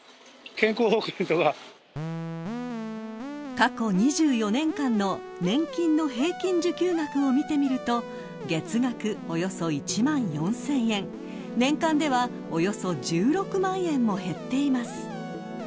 ［過去２４年間の年金の平均受給額を見てみると月額およそ１万４，０００円年間ではおよそ１６万円も減っています］